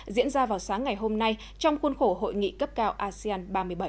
diễn ra vào sáng ngày hôm nay trong khuôn khổ hội nghị cấp cao asean ba mươi bảy